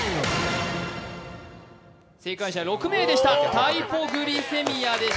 正解者は６名でした、タイポグリセミアです。